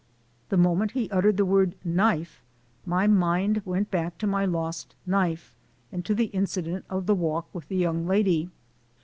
The moment he uttered the word "knife" my mind went back to my lost knife and to the incident of the walk with the young lady.